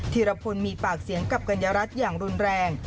ีรพลมีปากเสียงกับกัญญารัฐอย่างรุนแรง